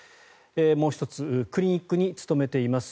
もう１つクリニックに勤めています